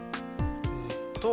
えっと